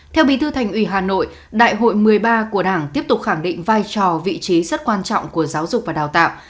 theo bí thư thành ủy hà nội đại hội một mươi ba của đảng tiếp tục khẳng định vai trò vị trí rất quan trọng của giáo dục và đào tạo